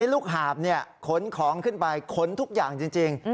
นี่ลูกหาบเนี่ยขนของขึ้นไปขนทุกอย่างจริง